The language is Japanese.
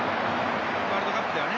ワールドカップではね。